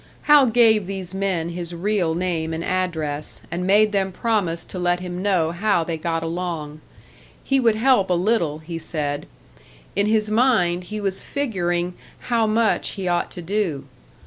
Hal gave these men his real name and address, and made them promise to let him know how they got along. He would help a little, he said; in his mind he was figuring how much he ought to do.